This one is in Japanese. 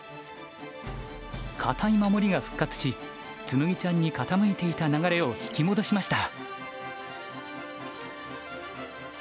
堅い守りが復活し紬ちゃんに傾いていた流れを引き戻しました。